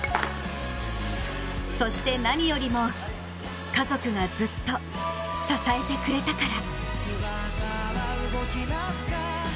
そして何よりも、家族がずっと支えてくれたから。